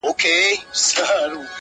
د خوشحال غزل غزل مي دُر دانه دی-